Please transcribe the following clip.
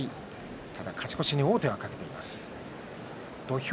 ただ勝ち越しに王手はかけています。